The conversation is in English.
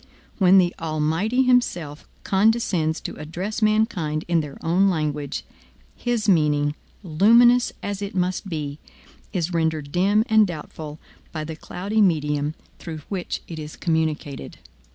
When the Almighty himself condescends to address mankind in their own language, his meaning, luminous as it must be, is rendered dim and doubtful by the cloudy medium through which it is communicated.